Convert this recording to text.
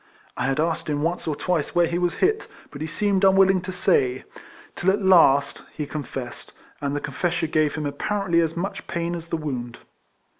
I had asked him once or twice where he was hit, but he seemed unwilling to say, till at last he confessed; and the confession gave him apparently as much pain as the wound.